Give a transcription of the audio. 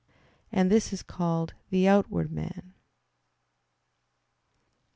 And this is called the "outward" man.